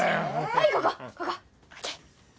はいここここ。ＯＫ。